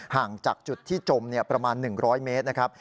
ห่างจากจุดที่จมประมาณ๑๐๐เมตรนะครับ